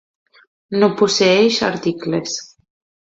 No posseeix articles.